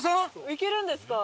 いけるんですか？